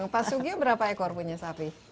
pak sugio berapa ekor punya sapi